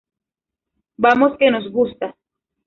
Vamos que nos gusta.